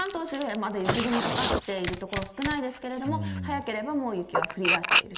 まだ雪雲かかっている所、少ないですけれども、早ければもう雪は降りだしていると。